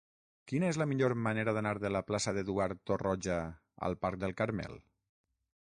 Quina és la millor manera d'anar de la plaça d'Eduard Torroja al parc del Carmel?